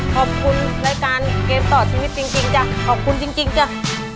ขอบคุณรายการเกมต่อชีวิตจริงจ้ะขอบคุณจริงจ้ะ